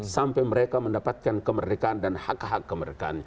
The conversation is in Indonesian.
sampai mereka mendapatkan kemerdekaan dan hak hak kemerdekaan